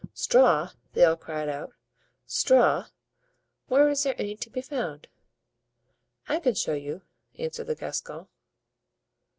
"Straw!" they all cried out, "straw! where is there any to be found?" "I can show you," answered the Gascon.